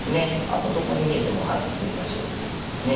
あとどこに逃げても詰みが生じてますね。